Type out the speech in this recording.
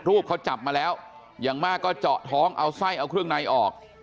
รูปเขาจับมาแล้วอย่างมากก็เจาะท้องเอาไส้เอาเครื่องในออก